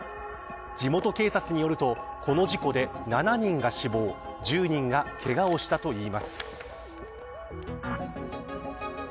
地元警察によるとこの事故で７人が死亡１０人がけがをしたといいます。